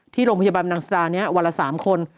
ที่โรงพยาบาลบรรดาสตราวันละ๓คน